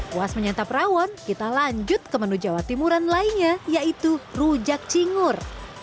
puas menyantap rawon kita lanjut ke menu jawa timuran lainnya yaitu rujak cingur